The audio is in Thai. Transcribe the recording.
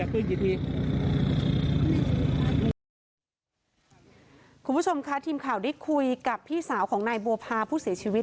คุณผู้ชมค่ะทีมข่าวได้คุยกับพี่สาวของนายบัวพาผู้เสียชีวิต